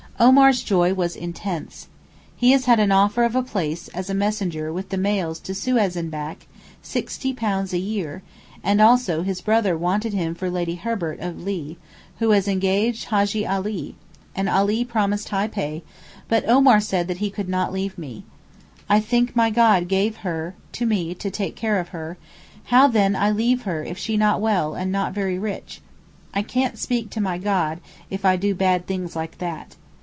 Omar's joy was intense. He has had an offer of a place as messenger with the mails to Suez and back, £60 a year; and also his brother wanted him for Lady Herbert of Lea, who has engaged Hajjee Ali, and Ali promised high pay, but Omar said that he could not leave me. 'I think my God give her to me to take care of her, how then I leave her if she not well and not very rich? I can't speak to my God if I do bad things like that.